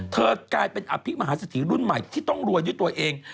เธอกลายเป็นอภิกษ์มหาสถิรุ่นใหม่ที่ต้องรวยด้วยตัวเอง